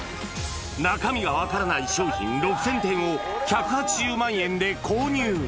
中身が分からない商品６０００点を１８０万円で購入。